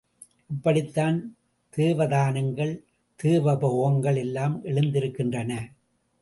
இப்படித்தான் தேவதானங்கள், தேவபோகங்கள் எல்லாம் எழுந்திருக்கின்றன.